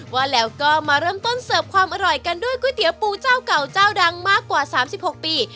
ว่าแล้วก็มาเริ่มต้นเสิร์ฟความอร่อยกันด้วยก๋วยเตี๋ยวปูเจ้าเก่าเจ้าดังมากกว่า๓๖ปี